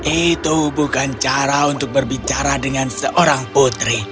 itu bukan cara untuk berbicara dengan seorang putri